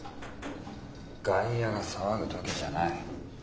外野が騒ぐ時じゃない。